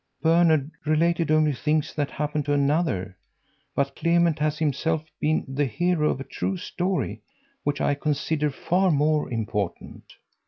"Bernhard related only things that happened to another, but Clement has himself been the hero of a true story, which I consider far more important."